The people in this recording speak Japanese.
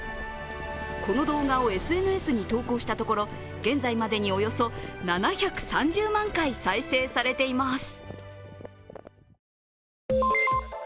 この動画をＳＮＳに投稿したところ現在までにおよそ７３０万回再生されています。